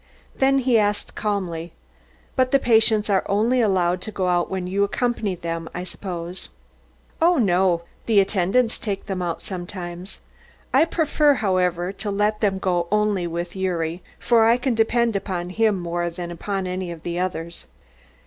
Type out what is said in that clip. Then he asked calmly: "But the patients are only allowed to go out when you accompany them, I suppose?" "Oh, no; the attendants take them out sometimes. I prefer, however, to let them go only with Gyuri, for I can depend upon him more than upon any of the others."